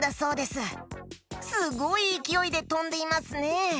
すごいいきおいでとんでいますね！